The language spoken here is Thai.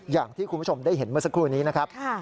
อย่างที่คุณผู้ชมได้เห็นเมื่อสักครู่นี้นะครับ